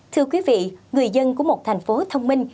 thưa quý vị người dân của một thành phố thông minh